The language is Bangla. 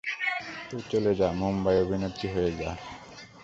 তুই চলে যা মুম্বাই, অভিনেত্রী হয়ে যা।